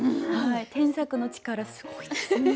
添削の力すごいですね。